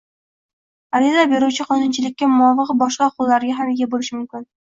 Ariza beruvchi qonunchilikka muvofiq boshqa huquqlarga ham ega bo‘lishi mumkin.